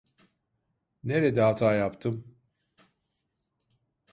Nerede hata yaptım?